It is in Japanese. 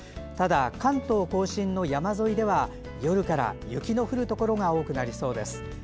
ただ、関東・甲信の山沿いでは夜から雪の降るところが多くなりそうです。